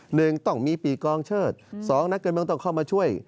หนึ่งต้องมีปีกองเชิดสองนักการเมืองต้องเข้ามาช่วย